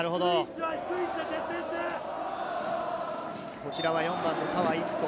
こちらは４番の澤一翔。